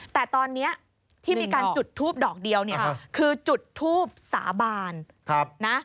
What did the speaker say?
แต่ตอนนี้ที่มีการจุดทูปดอกเดียวเนี่ยคือจุดทูบสาบานนะ